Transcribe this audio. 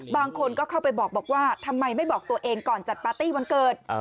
บางคนก็เข้าไปบอกว่าทำไมไม่บอกตัวเองก่อนจัดปาร์ตี้วันเกิด